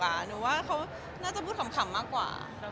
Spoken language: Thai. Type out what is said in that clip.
อเรนนี่หนูว่าพี่เกดเป็นคนตลกอ่ะหนูว่าน่าจะพูดคำมากกว่า